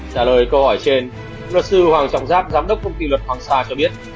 trả lời câu hỏi trên luật sư hoàng trọng giáp giám đốc công ty luật hoàng sa cho biết